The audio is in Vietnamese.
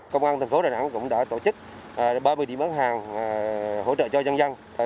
công an thành phố đà nẵng cũng đã tổ chức ba mươi điểm bán hàng hỗ trợ cho dân dân